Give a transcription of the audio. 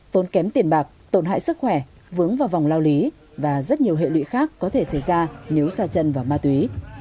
tốn kém tiền bạc tổn hại sức khỏe vướng vào vòng lao lý và rất nhiều hệ lụy khác có thể xảy ra nếu xa chân vào ma túy